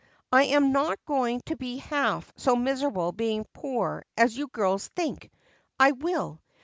I am not going to be half so miserable being poor as you girls think I will.